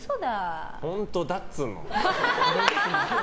本当だっつうの！